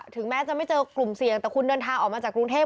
ถึงแม้จะไม่เจอกลุ่มเสี่ยงแต่คุณเดินทางออกมาจากกรุงเทพ